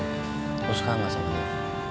lo suka gak sama dia